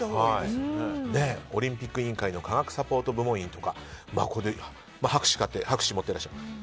オリンピック委員会の科学サポート部門員だとか博士の資格も持っていらっしゃる。